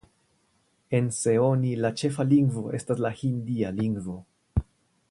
En Seoni la ĉefa lingvo estas la hindia lingvo.